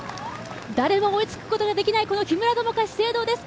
誰も追いつくことができない木村友香、資生堂です。